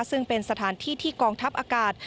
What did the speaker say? ซึ่งเป็นสถานที่ที่กองทัพอากาศ